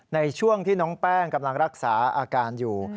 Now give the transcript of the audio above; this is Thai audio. ในช่วงที่น้องแป้งกำลังรักษาอาการอยู่